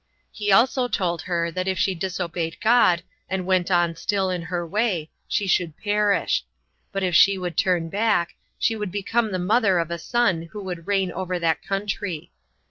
He also told her, that if she disobeyed God, and went on still in her way, she should perish; but if she would return back, she should become the mother of a son who should reign over that country.